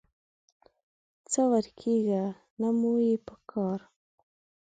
ځه ورکېږه، نه مو یې پکار